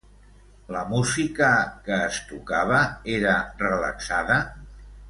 La música que es tocava era relaxada?